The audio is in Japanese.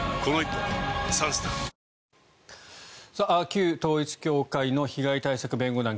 旧統一教会の被害対策弁護団